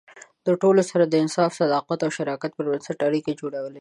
د ټولو سره د انصاف، صداقت او شراکت پر بنسټ اړیکې جوړول.